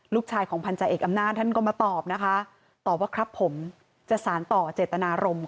ลูกชายของพันธาเอกอำนาจท่านก็มาตอบนะคะตอบว่าครับผมจะสารต่อเจตนารมณ์